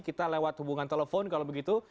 kita lewat hubungan telepon kalau begitu